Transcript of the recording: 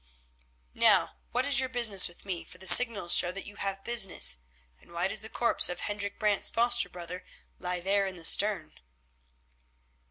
Now, what is your business with me, for the signals show that you have business, and why does the corpse of Hendrik Brant's foster brother lie there in the stern?"